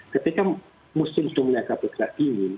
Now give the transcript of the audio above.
ketika musim sudah mulai agak bergelap dingin